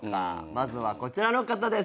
まずはこちらの方です。